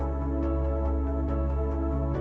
ada kata yang di